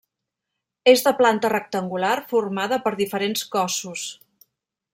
És de planta rectangular, formada per diferents cossos.